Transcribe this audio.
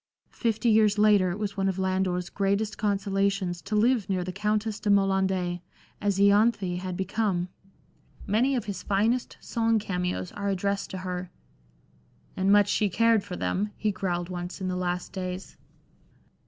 Fifty years later it was one of Lander's greatest consolations to live near the Countess de Moland^, as lanthe had become. Many of his finest song cameos are addressed to her (" And much she cared for them !" he growled once in the last days).